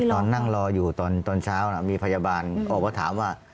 นั่งรออยู่ตอนเช้ามีพยาบาลออกมาถามว่า